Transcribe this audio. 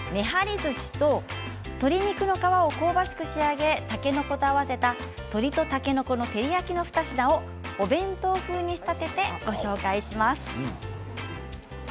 ずしと鶏肉の皮を香ばしく仕上げたけのこと合わせた鶏とたけのこの照り焼きの２品をお弁当風に仕立ててご紹介します。